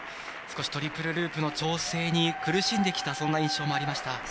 少しトリプルループの調整に苦しんできた印象もありました。